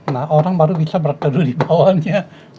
nah orang baru bisa berteduh di bawahnya